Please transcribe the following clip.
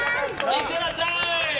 いってらっしゃい！